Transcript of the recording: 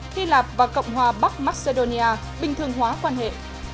hy lạp và cộng hòa bắc macedonia bình thường hóa quan hệ